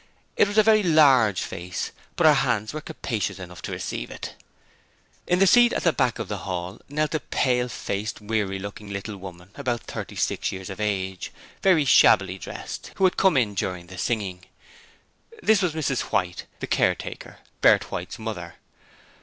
It was a very large face, but her hands were capacious enough to receive it. In a seat at the back of the hall knelt a pale faced, weary looking little woman about thirty six years of age, very shabbily dressed, who had come in during the singing. This was Mrs White, the caretaker, Bert White's mother.